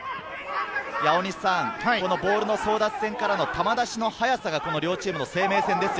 ボールの争奪戦からの球出しの速さが両チームの生命線です。